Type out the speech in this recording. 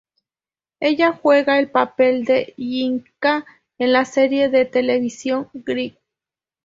Ella juega el papel de "Jen K." en la serie de televisión Greek.